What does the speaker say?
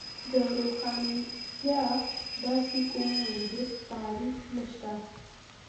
د روښانتیا داسې کوم منجمد تعریف نشته.